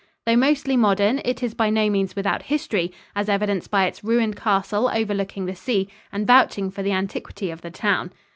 Though mostly modern, it is by no means without history, as evidenced by its ruined castle overlooking the sea and vouching for the antiquity of the town.